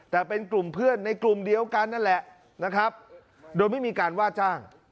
แต่เป็นกลุ่มเพื่อนในกลุ่มเดียวกันนั่นแหละนะครับโดยไม่มีการว่าจ้าง